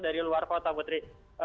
dari luar kota putri